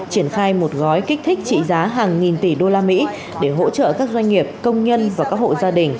triển khai một gói kích thích trị giá hàng nghìn tỷ đô la mỹ để hỗ trợ các doanh nghiệp công nhân và các hộ gia đình